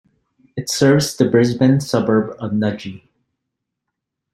It serves the Brisbane suburb of Nudgee.